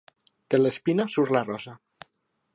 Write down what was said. De l'espina surt la rosa.